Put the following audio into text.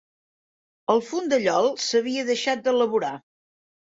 El fondellol s'havia deixat d'elaborar.